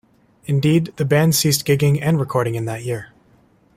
Indeed, the band ceased gigging and recording in that year.